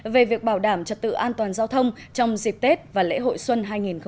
về việc bảo đảm trật tự an toàn giao thông trong dịp tết và lễ hội xuân hai nghìn hai mươi